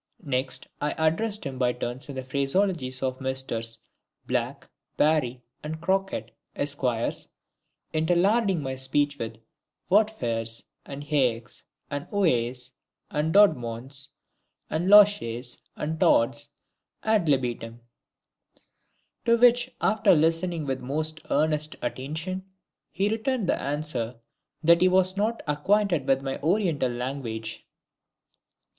Next I addressed him by turns in the phraseologies of Misters BLACK, BARRIE, and CROCKETT, Esquires, interlarding my speech with "whatefers," and "hechs," and "ou ays," and "dod mons," and "loshes," and "tods," ad libitum, to which after listening with the most earnest attention, he returned the answer that he was not acquainted with any Oriental language.